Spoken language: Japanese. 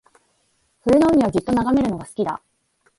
冬の海をじっと眺めるのが好きだ